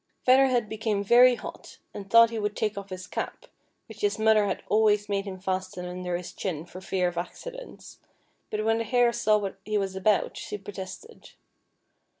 Feather Head be came very hot, and thought he would take off his cap, which his mother had always made him fasten under his chin for fear of accidents ; but when the Hare saw what he was about, she protested.